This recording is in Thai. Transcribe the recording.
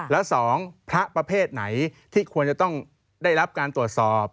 แล้วสองพระประเภทไหนที่ควรจะต้องได้รับการตรวจสอบ